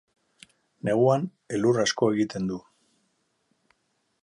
Neguan elur asko egiten du.